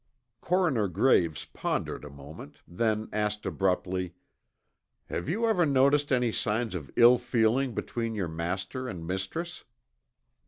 Coroner Graves pondered a moment, then asked abruptly, "Have you ever noticed any signs of ill feeling between your master and mistress?"